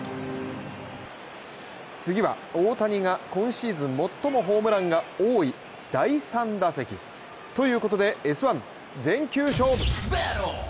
次は、大谷が今シーズン最もホームランが多い第３打席。ということで、「Ｓ☆１」全球勝負。